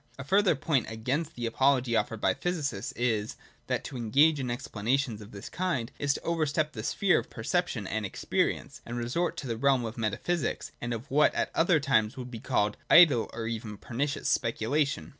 A further point against the apology offered by the physicists is, that, to engage in explanations of this kind, is to overstep the sphere of perception and experience, and resort to the realm of metaphysics and of what at other times would be called idle or even pernicious speculation.